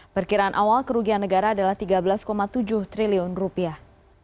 perkiraan awal kerugian negara adalah tiga belas tujuh triliun rupiah